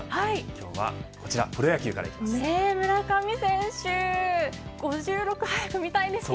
今日はこちらプロ野球から行きます。